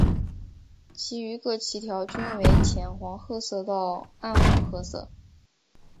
其余各鳍条均为浅黄褐色到暗黄褐色。